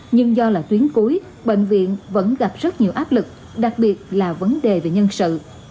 nhưng do là tuyến cuối bệnh viện vẫn gặp rất nhiều áp lực đặc biệt là vấn đề về nhân sự